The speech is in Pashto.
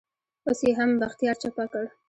اوس يې هم بختيار چپه کړ.